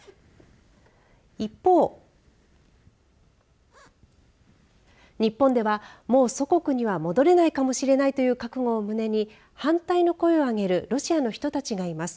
一方、日本ではもう祖国には戻れないかもしれないという覚悟を胸に反対の声を上げるロシアの人たちがいます。